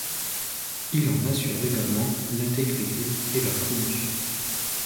Il en assure également l'intégrité et la promotion.